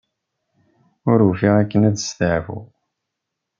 Ur ufiɣ akken ad steɛfuɣ.